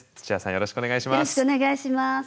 よろしくお願いします。